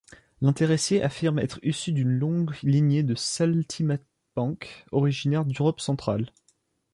L'intéressé affirme être issu d'une longue lignée de saltimbanques originaires d'Europe centrale.